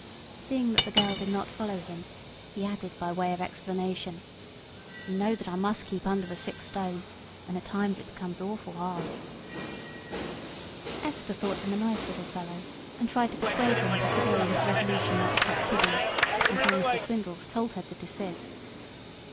Seeing that the girl did not understand, he added, by way of explanation, "You know that I must keep under the six stone, and at times it becomes awful 'ard." Esther thought him a nice little fellow, and tried to persuade him to forego his resolution not to touch pudding, until Mr. Swindles told her to desist.